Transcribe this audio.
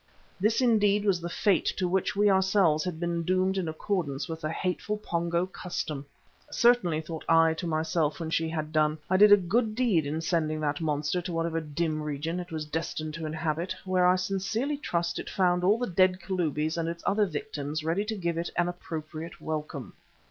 This, indeed, was the fate to which we ourselves had been doomed in accordance with the hateful Pongo custom. Certainly, thought I to myself when she had done, I did a good deed in sending that monster to whatever dim region it was destined to inhabit, where I sincerely trust it found all the dead Kalubis and its other victims ready to give it an appropriate welcome.